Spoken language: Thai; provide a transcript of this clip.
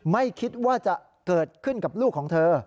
ไม่คิดว่าจะเกิดขึ้นกับลูกของเธอ